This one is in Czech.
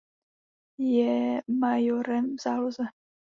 Je majorem v záloze.